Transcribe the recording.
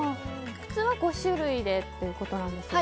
普通は５種類でということなんですよね。